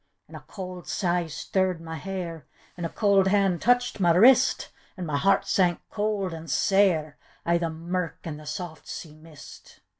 An' a cauld sigh stirred my hair, An' a cauld hand touched my wrist, An' my heart sank cauld and sair I' the mirk an' the saft sea mist.